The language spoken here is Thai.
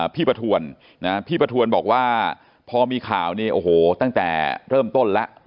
ประทวนพี่ประทวนบอกว่าพอมีข่าวเนี่ยโอ้โหตั้งแต่เริ่มต้นแล้ว